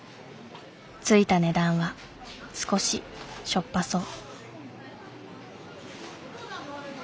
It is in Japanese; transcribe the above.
ついた値段は少ししょっぱそう。